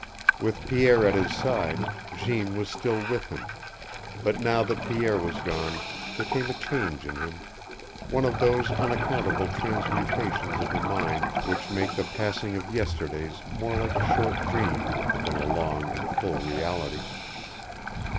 With Pierre at his side, Jeanne was still with him; but now that Pierre was gone there came a change in him one of those unaccountable transmutations of the mind which make the passing of yesterdays more like a short dream than a long and full reality.